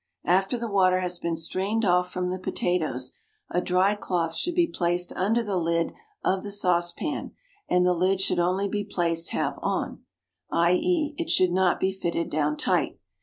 After the water has been strained off from the potatoes, a dry cloth should be placed under the lid of the saucepan, and the lid should only be placed half on, i.e., it should not be fitted down tight.